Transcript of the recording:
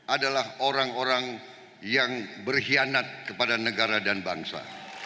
adalah orang orang yang berkhianat kepada negara dan bangsa